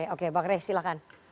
oke pak kres silahkan